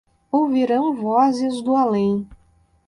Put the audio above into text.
Ouvirão vozes do além